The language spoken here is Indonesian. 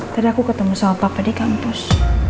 tadi aku ketemu sama papa di kampus